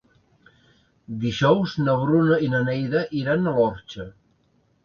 Dijous na Bruna i na Neida iran a l'Orxa.